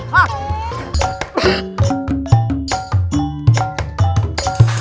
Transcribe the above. ampun pak bisik